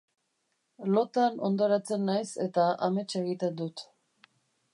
Lotan hondoratzen naiz eta amets egiten dut.